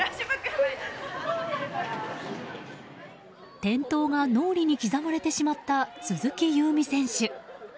転倒が脳裏に刻まれてしまった鈴木夕湖選手。